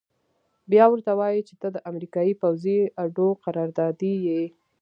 بيا ورته وايي چې ته د امريکايي پوځي اډو قراردادي يې.